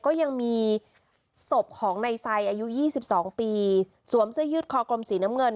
ก็ยังมีสบของในไซด์อายุยี่สิบสองปีสวมเสื้อยืดคอกลมสีน้ำเงิน